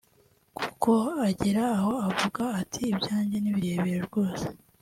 kuko agera aho akavuga ati “Ibyanjye ni birebire rwose